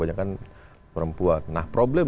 banyak perempuan nah problem